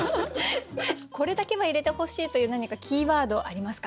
これだけは入れてほしいという何かキーワードありますか？